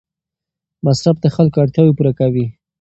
مصرف د خلکو اړتیاوې پوره کوي.